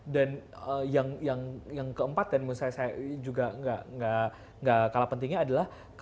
yang keempat dan menurut saya juga nggak kalah pentingnya adalah